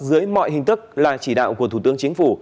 dưới mọi hình thức là chỉ đạo của thủ tướng chính phủ